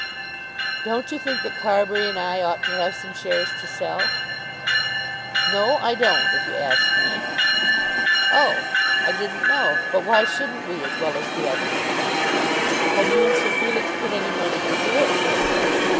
"Don't you think that Carbury and I ought to have some shares to sell?" "No, I don't, if you ask me." "Oh; I didn't know. But why shouldn't we as well as the others?" "Have you and Sir Felix put any money into it?"